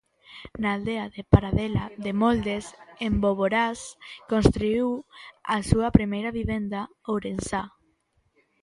Na aldea de Paradela de Moldes, en Boborás, construíu a súa primeira vivenda ourensá.